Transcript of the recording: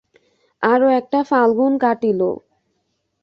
আরো একটা ফাল্গুন কাটিল।